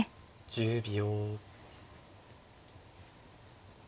１０秒。